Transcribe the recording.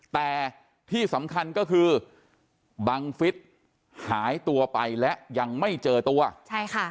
แต่ที่สำคัญก็คือบังฟิศหายตัวไปและยังไม่เจอตัวใช่ค่ะ